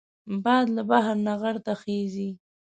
باد له بحر نه غر ته خېژي